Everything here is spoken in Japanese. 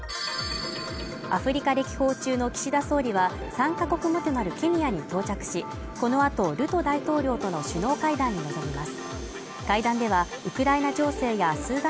アフリカ歴訪中の岸田総理は３か国目となるケニアに到着し、この後ルト大統領との首脳会談に臨みます。